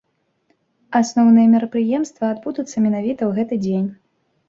Асноўныя мерапрыемствы адбудуцца менавіта ў гэты дзень.